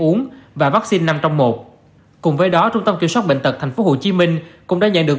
uống và vaccine năm trong một cùng với đó trung tâm kiểm soát bệnh tật tp hcm cũng đã nhận được